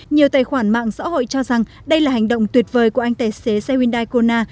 nhiều tài khoản mạng xã hội cho rằng đây là hành động tuyệt vời của anh tài xế xe hyundai kona